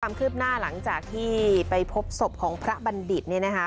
ความคืบหน้าหลังจากที่ไปพบศพของพระบัณฑิตเนี่ยนะคะ